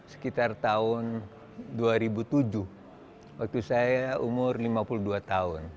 sekitar tahun dua ribu tujuh waktu saya umur lima puluh dua tahun